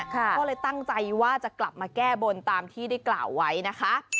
ก็เลยตั้งใจว่าจะกลับมาแก้บนตามที่ได้กล่าวไว้นะคะ